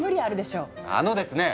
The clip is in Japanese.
あのですね